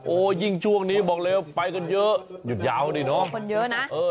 โอ้โหยิ่งช่วงนี้บอกเลยว่าไปกันเยอะหยุดยาวดิเนาะคนเยอะนะ